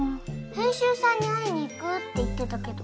編集さんに会いに行くって言ってたけど。